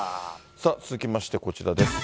さあ、続きまして、こちらです。